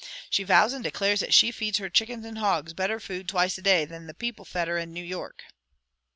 She vows and declares that she feeds her chickens and hogs better food twice a day than people fed her in New York."